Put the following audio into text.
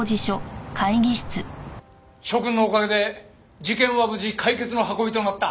諸君のおかげで事件は無事解決の運びとなった。